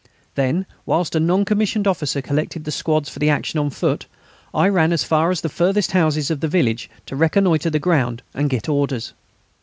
Then, whilst a non commissioned officer collected the squads for the action on foot, I ran as far as the furthest houses of the village to reconnoitre the ground and get orders.